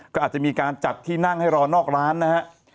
ก็อาจจะมีการจัดที่นั่งให้รอนอกร้านนะฮะ